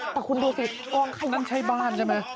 แต่คุณดูสิกล้องข้างนั้นใช้บ้านใช่ไหม